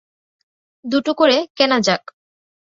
দুটো করে কেনা যাক।